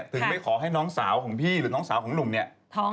ถึงไม่ขอให้น้องสาวของพี่หรือน้องสาวของหนุ่มเนี่ย